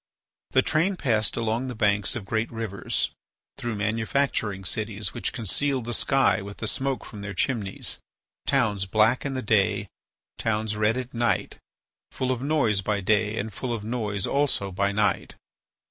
The train passed along the banks of great rivers, through manufacturing cities which concealed the sky with the smoke from their chimneys, towns black in the day, towns red at night, full of noise by day and full of noise also by night.